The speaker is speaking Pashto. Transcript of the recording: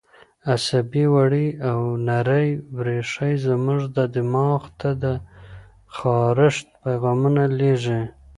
عصبي وړې او نرۍ رېښې زموږ دماغ ته د خارښ پیغامونه لېږي.